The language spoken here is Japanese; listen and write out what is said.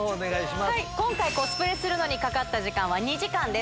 今回、コスプレするのにかかった時間は２時間です。